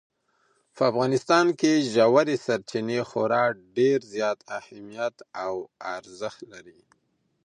په افغانستان کې ژورې سرچینې خورا ډېر زیات اهمیت او ارزښت لري.